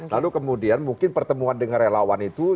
lalu kemudian mungkin pertemuan dengan relawan itu